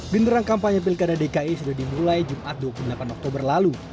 genderang kampanye pilkada dki sudah dimulai jumat dua puluh delapan oktober lalu